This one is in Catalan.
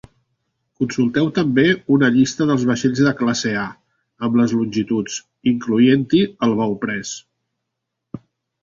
Consulteu també una llista dels vaixells de classe A amb les longituds, incloent-hi el bauprès.